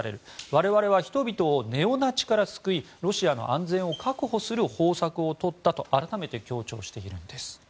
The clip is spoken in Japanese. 我々は人々をネオナチから救いロシアの安全を確保する方策をとったと改めて強調しているんです。